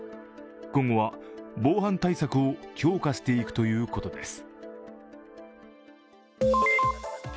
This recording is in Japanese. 今後は防犯対策を強化していくということです。